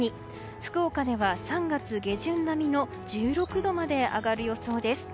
福岡では３月下旬の１６度まで上がる予想です。